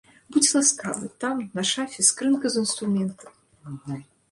Будзь ласкавы, там, на шафе, скрынка з інструментам.